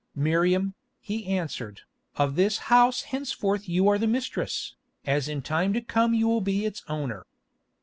"Miriam," he answered, "of this house henceforth you are the mistress, as in time to come you will be its owner.